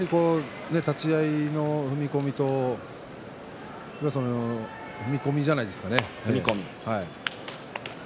立ち合いの踏み込みと踏み込みじゃないですかね。